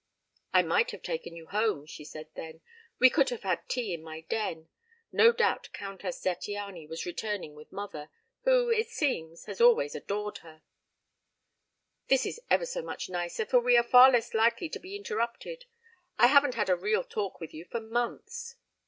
"I might have taken you home," she said then. "We could have had tea in my den. No doubt Countess Zattiany was returning with mother, who, it seems, has always adored her " "This is ever so much nicer, for we are far less likely to be interrupted. I haven't had a real talk with you for months."